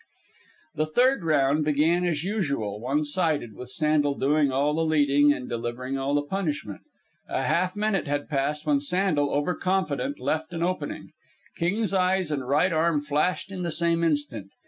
The third round began as usual, one sided, with Sandel doing all the leading, and delivering all the punishment. A half minute had passed when Sandel, over confident, left an opening. King's eyes and right arm flashed in the same instant.